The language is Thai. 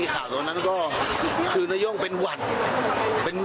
สายพันเอ